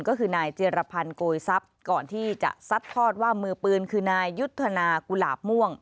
ก็คือนายเจรพันธ์โกยทรัพย์ก่อนที่จะซัดทอดว่ามือปืนคือนายยุทธนากุหลาบม่วง